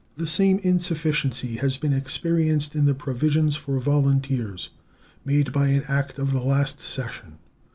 The same insufficiency has been experienced in the provisions for volunteers made by an act of the last session.